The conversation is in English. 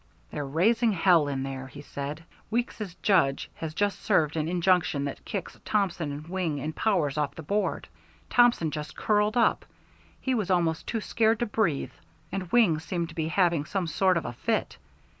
"They're raising hell in there," he said. "Weeks's judge has just served an injunction that kicks Thompson and Wing and Powers off the board. Thompson just curled up, he was almost too scared to breathe, and Wing seemed to be having some sort of a fit.